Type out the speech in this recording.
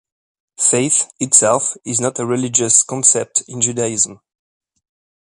Faith itself is not a religious concept in Judaism.